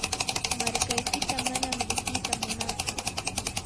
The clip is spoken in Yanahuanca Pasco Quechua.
markaykita manam riqita munatsu.